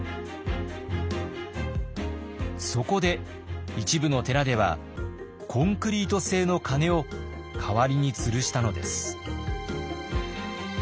そこで一部の寺ではコンクリート製の鐘を代わりにつるしたのです。